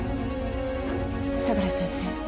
相良先生